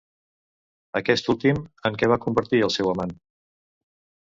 Aquest últim, en què va convertir el seu amant?